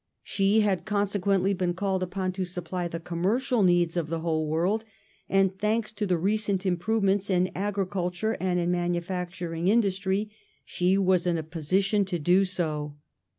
She had consequently been called upon to supply the commercial needs of the whole world, and, thanks to the recent im provements in agriculture and in manufacturing industry, she was in a position to do so.